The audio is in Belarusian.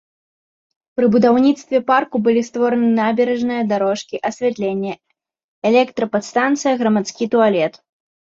Пры будаўніцтве парку былі створаны набярэжная, дарожкі, асвятленне, электрападстанцыя, грамадскі туалет.